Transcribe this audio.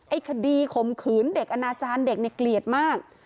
คดีข่มขืนเด็กอนาจารย์เด็กเนี่ยเกลียดมาก